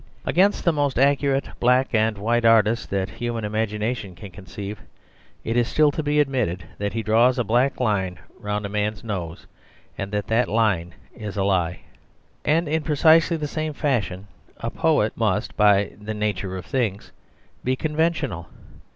Against the most accurate black and white artist that human imagination can conceive it is still to be admitted that he draws a black line round a man's nose, and that that line is a lie. And in precisely the same fashion a poet must, by the nature of things, be conventional.